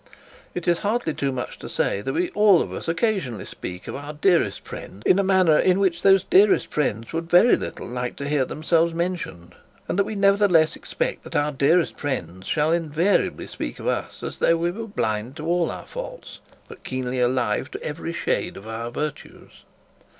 It is hardly too much to say that we all of us occasionally speak of our dearest friends in a manner which those dearest friends would very little like to hear themselves mentioned; and that we nevertheless expect that our dearest friends shall invariably speak of us as though they were blind to all our faults, but keenly alive to every shade of our virtues.